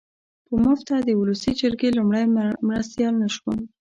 په مفته د اولسي جرګې لومړی مرستیال نه شوم.